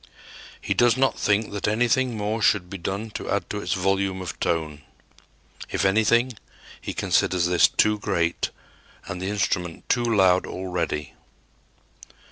He does not think that anything more should be done to add to its volume of tone. If anything, he considers this too great and the instrument too loud already.